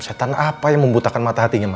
setan apa yang membutakan mata hatinya mas